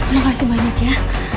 makasih banyak ya